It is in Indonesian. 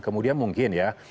kemudian mungkin ya